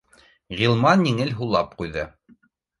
Ғилман еңел һулап ҡуйҙы